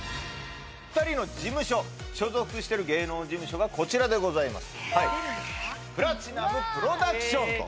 ２人の事務所所属してる芸能事務所がこちらでございます出るんですか？